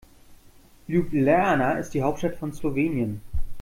Ljubljana ist die Hauptstadt von Slowenien.